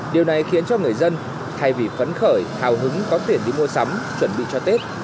điều này khiến cho người dân thay vì phấn khởi hào hứng có tiền đi mua sắm chuẩn bị cho tết